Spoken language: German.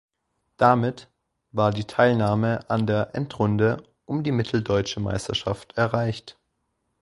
Damit war die Teilnahme an der Endrunde um die Mitteldeutsche Meisterschaft erreicht.